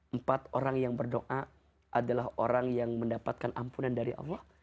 empat orang yang berdoa adalah orang yang mendapatkan ampunan dari allah